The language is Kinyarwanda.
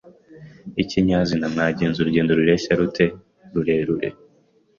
Ikinyazina) Mwagenze urugendo rureshya rute? Rurerure